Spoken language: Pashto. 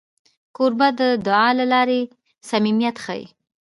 کوربه د دعا له لارې صمیمیت ښيي.